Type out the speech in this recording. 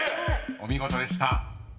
［お見事でした］